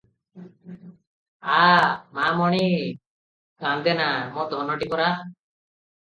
"ଆ, ମା ମଣି- କାନ୍ଦେନା- ମୋ ଧନଟିପରା ।